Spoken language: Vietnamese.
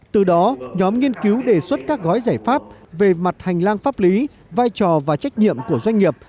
từ đó nhóm nghiên cứu đề xuất các gói giải pháp về mặt hành lang pháp lý vai trò và trách nhiệm của doanh nghiệp